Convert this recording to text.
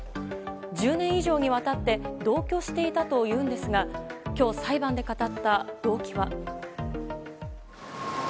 １０年以上にわたって同居していたと語っているんですが今日、裁判で語った動機は。